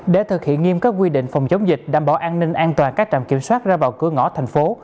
để thực hiện nghiêm các quy định phòng chống dịch đảm bảo an ninh an toàn các trạm kiểm soát ra vào cửa ngõ thành phố